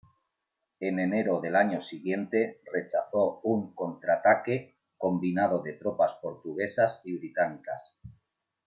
En enero del año siguiente rechazó un contrataque combinado de tropas portuguesas y británicas.